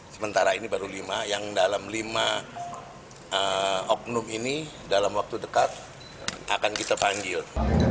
sementara ini baru lima yang dalam lima oknum ini dalam waktu dekat akan kita panggil